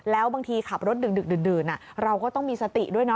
แล้วบางทีขับรถดึกดื่นเราก็ต้องมีสติด้วยเน